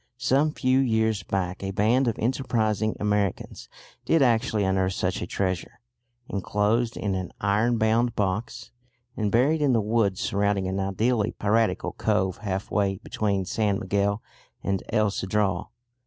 Some few years back a band of enterprising Americans did actually unearth such a treasure, enclosed in an iron bound box, and buried in the woods surrounding an ideally piratical cove half way between San Miguel and El Cedral.